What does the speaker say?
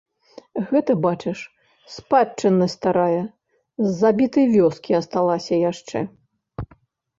Гэта, бачыш, спадчыннасць старая, з забітай вёскі асталася яшчэ.